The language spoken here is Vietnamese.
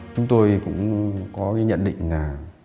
chúng tôi cũng có cái nhận định là